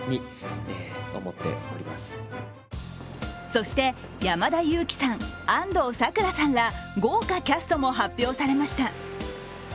そして、山田裕貴さん、安藤サクラさんら豪華キャストも発表されました。